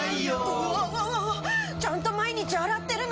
うわわわわちゃんと毎日洗ってるのに。